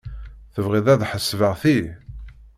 Tebɣid ad ḥesbeɣ ti?